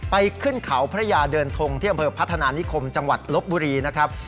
ขึ้นเขาพระยาเดินทงที่อำเภอพัฒนานิคมจังหวัดลบบุรีนะครับ